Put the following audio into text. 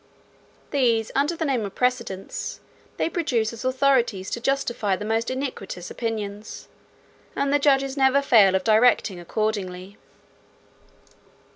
These, under the name of precedents, they produce as authorities to justify the most iniquitous opinions; and the judges never fail of directing accordingly.